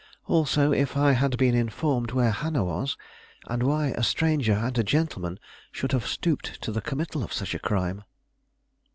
"Also, if I had been informed where Hannah was, and why a stranger and a gentleman should have stooped to the committal of such a crime."